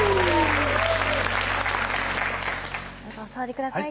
どうぞお座りください